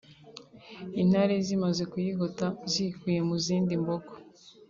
Intare zimaze kuyigota ziyikuye mu zindi mbogo